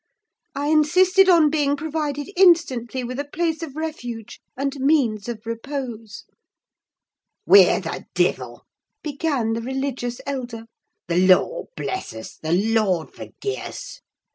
I insisted on being provided instantly with a place of refuge, and means of repose. "Whear the divil?" began the religious elder. "The Lord bless us! The Lord forgie us!